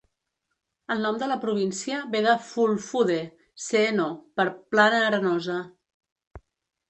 El nom de la província ve de Fulfulde "seeno", per "plana arenosa".